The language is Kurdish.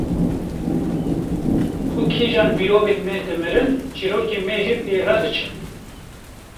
Ku kîjan mirovên me dimirin çîrokên me jî pê re diçin